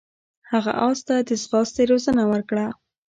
هغه اس ته د ځغاستې روزنه ورکړه.